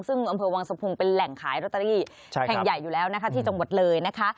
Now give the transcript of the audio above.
ซึ่งอำเภอวังสะพุงเป็นแหล่งขายลอตเตอรี่แห่งใหญ่อยู่แล้วนะคะที่จังหวัดเลยนะคะ